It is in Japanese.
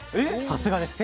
さすがです。